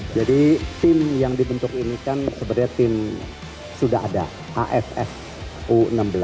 jadi tim yang dibentuk ini kan sebenarnya tim sudah ada hff u enam belas